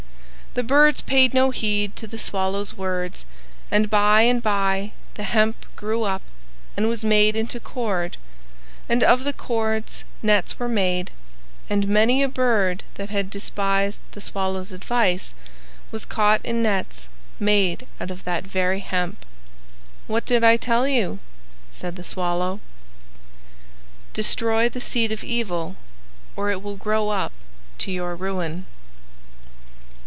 The birds paid no heed to the Swallow's words, and by and by the hemp grew up and was made into cord, and of the cords nets were made, and many a bird that had despised the Swallow's advice was caught in nets made out of that very hemp. "What did I tell you?" said the Swallow. "DESTROY THE SEED OF EVIL, OR IT WILL GROW UP TO YOUR RUIN."